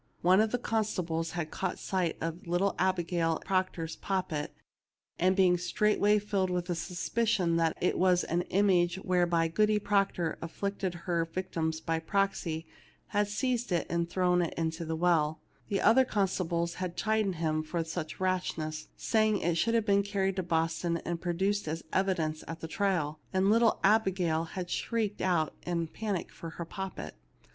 One of the constables had caught sight of little Abigail Proc tor's poppet, and being straightway rilled with suspicion that it was an image whereby Goody Proctor afflicted her victims by proxy, had seized it and thrown it into the well. The other con stables had chidden him for such rashness, say ing it should have been carried to Boston and 242 THE LITTLE MAID AT THE DOOE produced as evidence at the trial ; and little Abi gail had shrieked out in a panic for her poppet.